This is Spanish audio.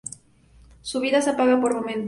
Su vida se apaga por momentos.